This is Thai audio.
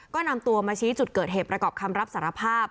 ก็นำตัวมาชี้จุดเกิดเหตุประกอบคำรับสารภาพ